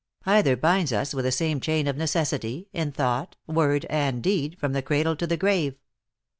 Either binds us with the same chain of necessity, in thought, word and deed, from the cradle to the grave.